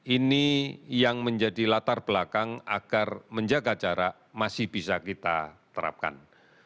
ini yang menjadi latar belakang agar menjaga jarak masih bisa kita terapkan